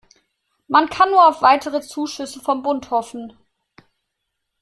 Man kann nur auf weitere Zuschüsse vom Bund hoffen.